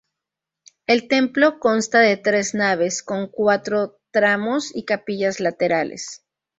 El templo consta de tres naves, con cuatro tramos y capillas laterales.